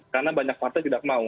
karena banyak partai tidak mau